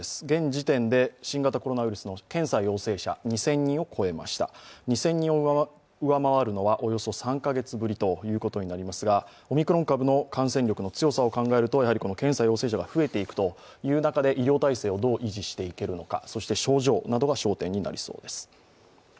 現時点で新型コロナウイルスの検査陽性者２０００人を超えました２０００人を上回るのはおよそ３カ月ぶりということになりますがオミクロン株の感染力の強さを考えると、この検査陽性者が増えていく中で医療体制をどう維持していくのか症状などが焦点になりそうです。